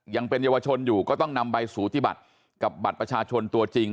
ยังเป็นเยาวชนอยู่ก็ต้องนำใบสูติบัติกับบัตรประชาชนตัวจริง